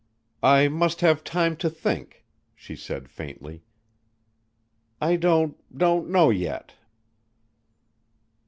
"I must have time to think," she said faintly. "I don't don't know yet."